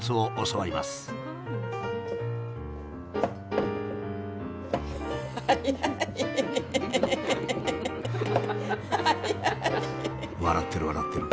笑ってる笑ってる。